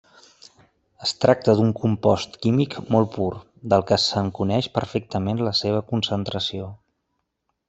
Es tracta d’un compost químic molt pur, del que se'n coneix perfectament la seva concentració.